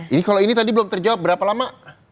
ini kalau ini tadi belum terjawab berapa lama